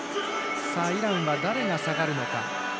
イランは誰が下がるのか。